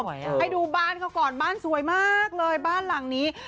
เฉาตรู่วันนี้